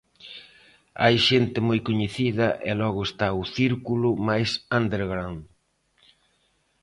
Hai xente moi coñecida e logo está o círculo máis 'underground'.